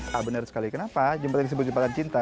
nah benar sekali kenapa jembatan disebut jembatan cinta